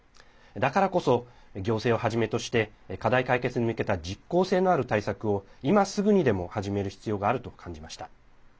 だからこそ、行政をはじめとして課題解決に向けた実効性のある対策を今すぐにでも始める必要があると感じました。